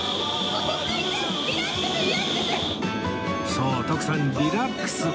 そう徳さんリラックス